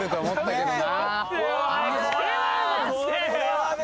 これはね